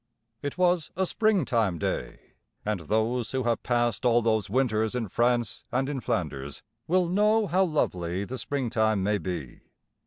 It was a springtime day, and those who have passed all those winters in France and in Flanders will know how lovely the springtime may be.